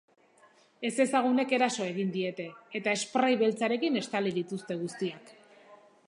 Ezezagunek eraso egin diete, eta esprai beltzarekin estali dituzte guztiak.